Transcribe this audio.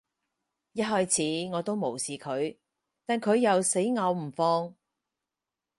一開始，我都無視佢，但佢又死咬唔放